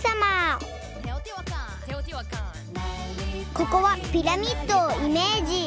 ここはピラミッドをイメージ。